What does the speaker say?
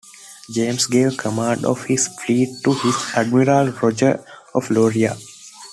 James gave command of his fleet to his admiral Roger of Lauria.